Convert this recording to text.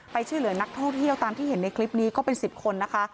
ช่วยเหลือนักท่องเที่ยวตามที่เห็นในคลิปนี้ก็เป็น๑๐คนนะคะ